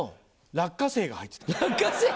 落花生が入ってた？